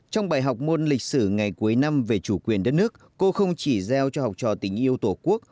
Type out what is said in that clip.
trong bài học môn lịch sử ngày cuối năm về chủ quyền đất nước cô không chỉ giao cho học trò tình yêu tổ quốc